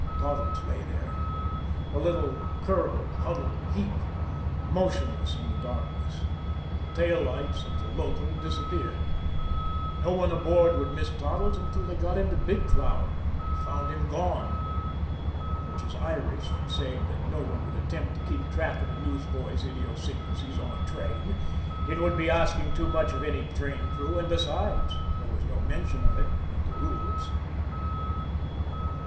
Toddles lay there, a little, curled, huddled heap, motionless in the darkness. The tail lights of the local disappeared. No one aboard would miss Toddles until they got into Big Cloud and found him gone. Which is Irish for saying that no one would attempt to keep track of a newsboy's idiosyncrasies on a train; it would be asking too much of any train crew; and, besides, there was no mention of it in the rules.